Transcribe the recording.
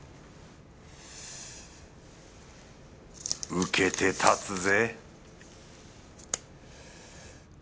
受けて立つぜ